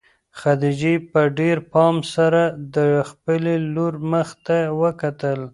خدیجې په ډېر پام سره د خپلې لور مخ ته وکتل.